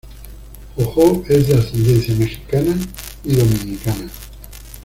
JoJo es de ascendencia mexicana y dominicana.